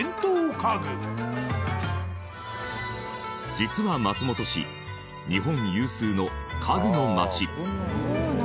実は松本市日本有数の家具の街。